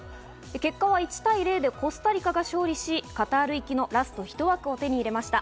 結果は１対０でコスタリカが勝利し、カタール行きのラストひと枠を手に入れました。